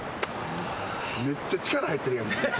めっちゃ力入ってるやん。